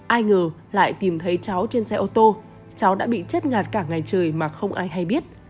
ai ngờ lại tìm thấy cháu trên xe ô tô cháu đã bị chết ngạt cả ngày trời mà không ai hay biết